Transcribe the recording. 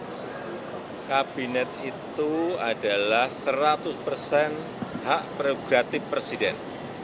karena kabinet itu adalah seratus persen hak prerogatif presiden